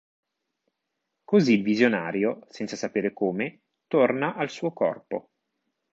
Così il visionario, senza sapere come, torna al suo corpo.